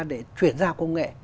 để chuyển ra công nghệ